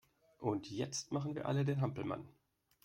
Und jetzt machen wir alle den Hampelmann!